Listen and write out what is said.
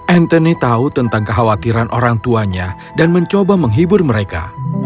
anthony tahu tentang kekhawatiran orang tuanya dan mencoba menghibur mereka